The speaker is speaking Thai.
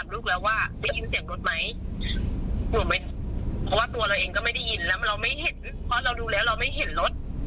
เราไม่เห็นเพราะเราดูแล้วเราไม่เห็นรถ